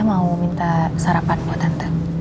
mau minta sarapan buat tante